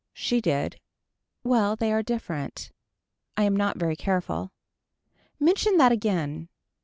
She did. Well they are different I am not very careful. Mention that again.